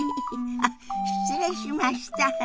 あっ失礼しました。